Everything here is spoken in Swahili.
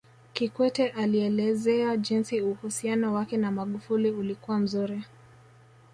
Kikwete alielezea jinsi uhusiano wake na Magufuli ulikuwa mzuri